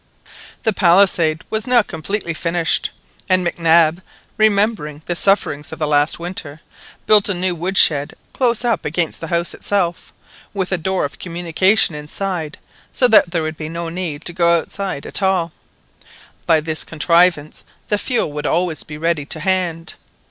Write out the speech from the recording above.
The palisade was now completely finished, and Mac Nab, remembering the sufferings of the last winter, built a new wood shed close up against the house itself, with a door of communication inside, so that there would be no need to go outside at all. By this contrivance the fuel would always be ready to hand.